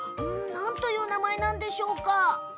何という、お花の名前なんでしょうか？